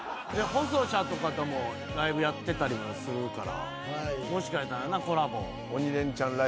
細シャとかともライブやってたりもするからもしかしたらなコラボ。